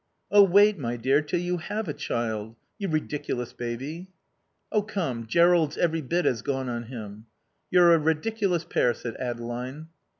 "Oh wait, my dear, till you have a child. You ridiculous baby." "Oh come, Jerrold's every bit as gone on him." "You're a ridiculous pair," said Adeline.